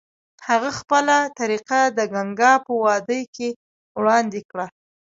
هغه خپله طریقه د ګنګا په وادۍ کې وړاندې کړه.